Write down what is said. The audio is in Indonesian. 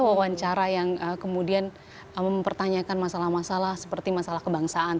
wawancara yang kemudian mempertanyakan masalah masalah seperti masalah kebangsaan